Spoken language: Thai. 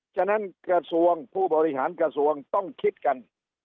ฉะนั้นกระทรวงผู้บริหารกระทรวงต้องคิดกัน